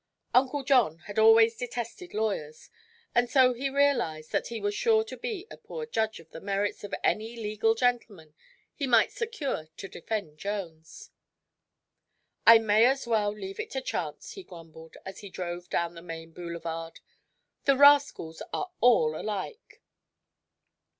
Uncle John had always detested lawyers and so he realized that he was sure to be a poor judge of the merits of any legal gentleman he might secure to defend Jones. "I may as well leave it to chance," he grumbled, as he drove down the main boulevard. "The rascals are all alike!"